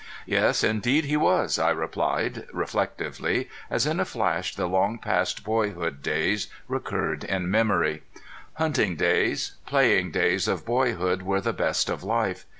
"Yes indeed he was," I replied, reflectively, as in a flash the long past boyhood days recurred in memory. Hunting days playing days of boyhood were the best of life.